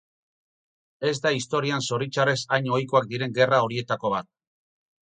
Ez da historian zoritxarrez hain ohikoak diren gerra horietako bat.